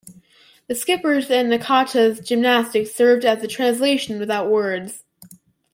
The skipper's and Nakata's gymnastics served as a translation without words.